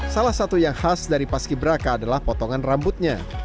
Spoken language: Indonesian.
salah satu yang khas dari paski beraka adalah potongan rambutnya